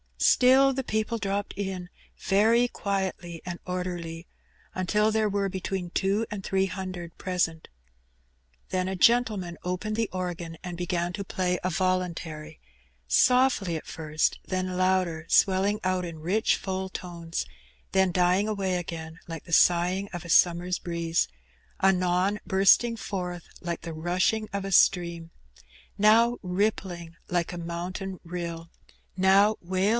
Still the people dropped in very quietly and orderly, until there were between two and three hun ired present. Then a gentleman opened the organ and began to play a voluntary; softly at first, then louder, swell * mg out in rich full tones, then dying away again, like the dghing of a summer's breeze; anon bursting forth like the rushing of a storm, now rippling like a mountain rill, now 70 Hfia Bbnny.